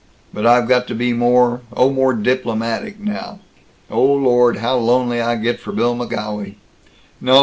But I've got to be more oh, more diplomatic now. Oh Lord, how lonely I get for Bill McGolwey. No.